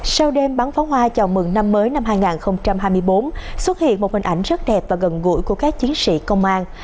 sau đêm bắn pháo hoa chào mừng năm mới năm hai nghìn hai mươi bốn xuất hiện một hình ảnh rất đẹp và gần gũi của các chiến sĩ công an